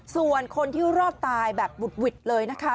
ส่วนคนที่รอดตายแบบบุดหวิดเลยนะคะ